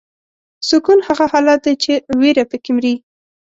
سکون هغه حالت دی چې ویره پکې مري.